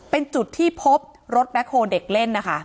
เป็นจุดที่พบรถแบ็คโฮเด็กเล่นนะคะ